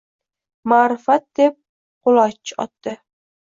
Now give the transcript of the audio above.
Maʼrifat deb qoʼloch otdi